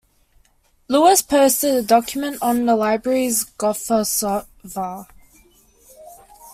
Louis posted the document on the library's Gopher server.